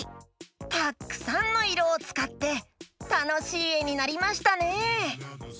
たっくさんのいろをつかってたのしいえになりましたね。